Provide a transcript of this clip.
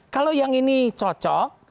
kalau yang ini cocok